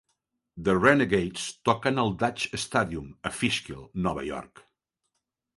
"The Renegades" toquen al Dutchess Stadium a Fishkill, Nova York.